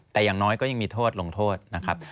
แต่อย่างน้อยก็ยังมีโทษลงโทษนะครับ